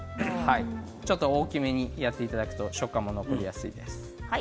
大きめにやっていただくと食感も残りやすいです。